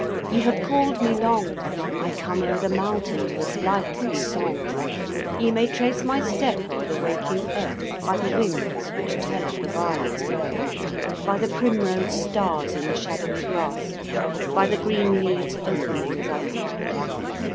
ye have called me long; I come o'er the mountains, with light and song. Ye may trace my step o'er the waking earth By the winds which tell of the violet's birth, By the primrose stars in the shadowy grass, By the green leaves opening as I pass.